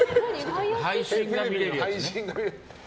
配信が見れるやつね。